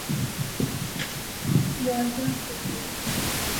毕苏斯基在其政治生涯前期是波兰社会党的领导人。